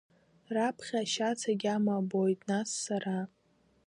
Раԥхьа ашьац агьама абоит, нас сара.